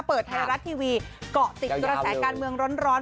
เปิดไทยรัฐทีวีเกาะติดกระแสการเมืองร้อน